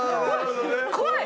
怖い！